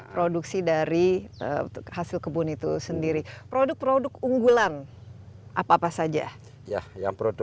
produksi dari hasil kebun itu sendiri produk produk unggulan apa apa saja ya yang produk